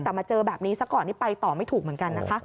แต่มาเจอแบบนี้ซะก่อนนี่ไปต่อไม่ถูกเหมือนกันนะคะ